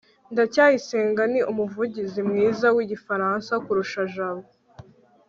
ndacyayisenga ni umuvugizi mwiza wigifaransa kurusha jabo